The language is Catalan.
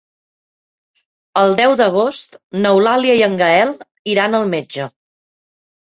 El deu d'agost n'Eulàlia i en Gaël iran al metge.